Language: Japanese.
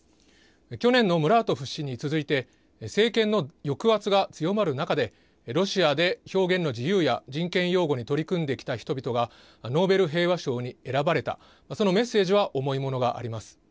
去年のムラートフ氏に続いて政権の抑圧が強まる中でロシアで表現の自由や人権擁護に取り組んできた人々がノーベル平和賞に選ばれたそのメッセージは重いものがあります。